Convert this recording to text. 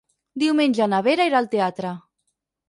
Diumenge na Vera irà al teatre.